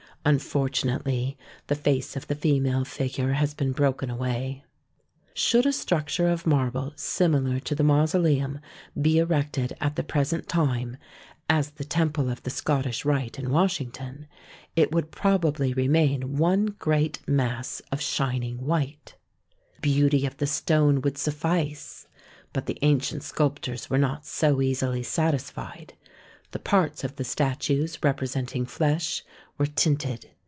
Unfortunately the face of the female figure has been broken away. Should a structure of marble similar to '"he THE TOMB OF KING MAUSOLUS 141 mausoleum be erected at the present time, as the Temple of the Scottish Rite in Washington, it would probably remain one great mass of shining white. The beauty of the stone would suffice. But the ancient sculptors were not so easily satis fied. The parts of the statues representing flesh were tinted.